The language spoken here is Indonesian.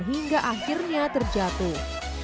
hingga akhirnya terjatuh